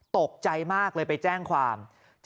ตกใจมากเลยไปแจ้งความ